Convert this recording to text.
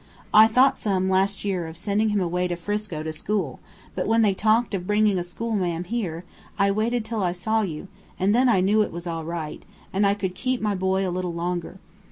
I thought some, last year, of sending him away to Frisco to school, but when they talked of bringing a schoolma'am here, I waited till I saw you, and then I knew it was all right, and I could keep my boy a little longer.